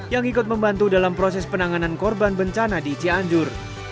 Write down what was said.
yang ikut membantu dalam proses penanganan korban bencana di cianjur